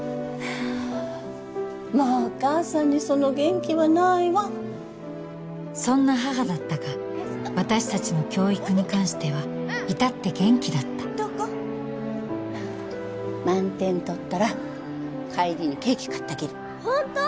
もうお母さんにその元気はないわそんな母だったが私達の教育に関しては至って元気だった瞳子満点とったら帰りにケーキ買ってあげるホント？